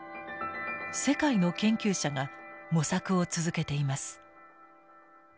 世界の研究者が模索を続けています。